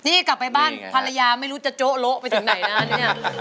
นี่กลับไปบ้านภรรยาไม่รู้จะโจ๊โละไปถึงไหนนะเนี่ย